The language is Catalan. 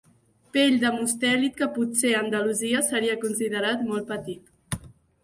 Pell de mustèlid que potser a Andalusia seria considerat molt petit.